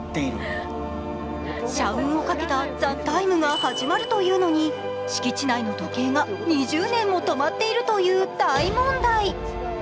社運をかけた「ＴＨＥＴＩＭＥ，」が始まるというのに、敷地内の時計が２０年も止まっているという大問題。